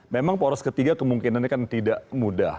memang poros ketiga kemungkinannya kan tidak mudah